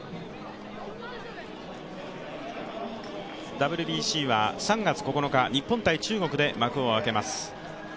ＷＢＣは３月９日、日本×中国で幕を開けます。